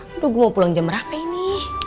waduh gue mau pulang jam berapa ini